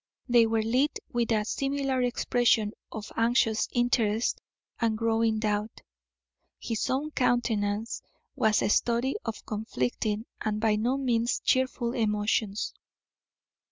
They were lit with a similar expression of anxious interest and growing doubt. His own countenance was a study of conflicting and by no means cheerful emotions.